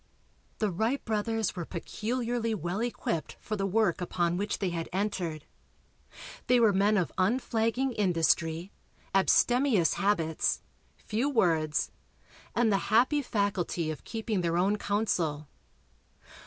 The Wright brothers were peculiarly well equipped for the work upon which they had entered. They were men of unflagging industry, abstemious habits, few words and the happy faculty of keeping their own counsel.